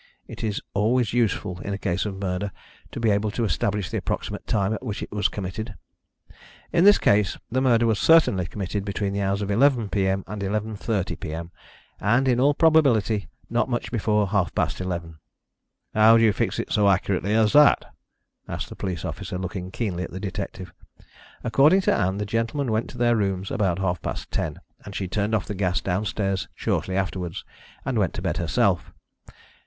It is always useful, in a case of murder, to be able to establish the approximate time at which it was committed. In this case, the murder was certainly committed between the hours of 11 p.m. and 11.30 p.m., and, in all probability, not much before half past eleven." "How do you fix it so accurately as that?" asked the police officer, looking keenly at the detective. "According to Ann, the gentlemen went to their rooms about half past ten, and she turned off the gas downstairs shortly afterwards, and went to bed herself.